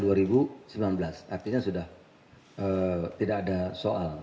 artinya sudah tidak ada soal